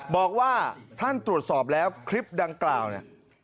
บอกว่าท่านตรวจสอบแล้วคลิปดังกล่าวเนี่ย